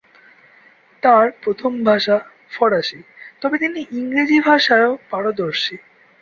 তার প্রথম ভাষা ফরাসি, তবে তিনি ইংরেজি ভাষাও পারদর্শী।